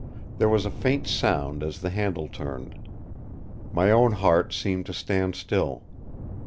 There was a faint sound as the handle turned. My own heart seemed to stand still.